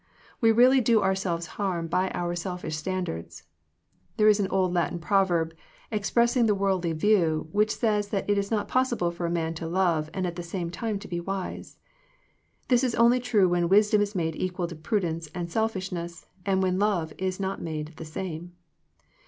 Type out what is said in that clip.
We really do ourselves harm by our selfish standards. There is an old Latin prov erb,* expressing the worldly view, which says that it is not possible for a man to love and at the same time to be wise. This is only true when wisdom is made equal to prudence and selfishness, and when love is made the same.